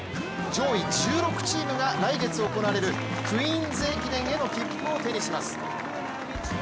上位１６チームが来月行われるクイーンズ駅伝への切符を手にします。